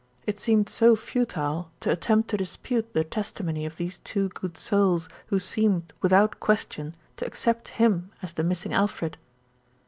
It seemed so futile to attempt to dispute the testimony of these two good souls who seemed, without question, to accept him as the missing Alfred.